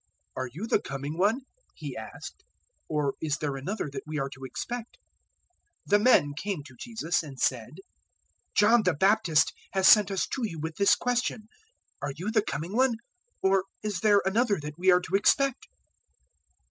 "Are you the Coming One?" he asked, "or is there another that we are to expect?" 007:020 The men came to Jesus and said, "John the Baptist has sent us to you with this question: `Are you the Coming One, or is there another that we are to expect?'"